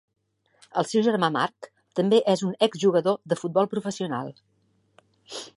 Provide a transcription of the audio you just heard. El seu germà Marc també és un ex-jugador de futbol professional.